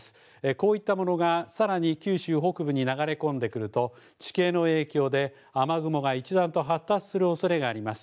こういったものがさらに九州北部に流れ込んでくると、地形の影響で雨雲が一段と発達するおそれがあります。